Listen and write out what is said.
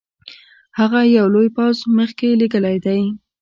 هغه یو لوی پوځ مخکي لېږلی دی.